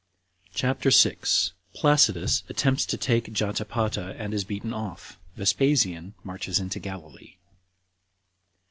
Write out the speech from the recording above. CHAPTER 6. Placidus Attempts To Take Jotapata And Is Beaten Off. Vespasian Marches Into Galilee.